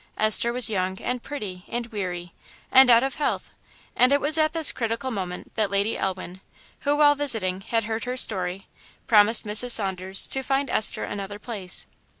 Esther was young, and pretty, and weary, and out of health; and it was at this critical moment that Lady Elwin, who, while visiting, had heard her story, promised Mrs. Saunders to find Esther another place.